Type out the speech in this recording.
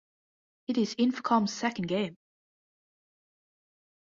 It is Infocom's second game.